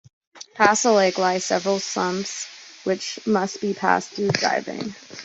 Past the lake lie several sumps which must be passed through diving.